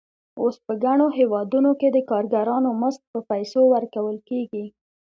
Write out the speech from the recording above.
اوس په ګڼو هېوادونو کې د کارګرانو مزد په پیسو ورکول کېږي